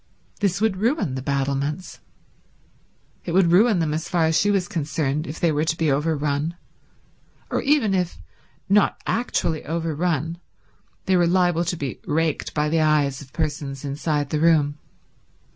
This would ruin the battlements. It would ruin them as far as she was concerned if they were to be overrun; or even if, not actually overrun, they were liable to be raked by the eyes of persons inside the room.